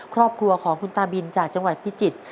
ครอบครัวของคุณตาบินจากจังหวัดพิจิตร